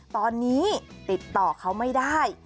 ตอนนี้ติดต่อเขาไม่ได้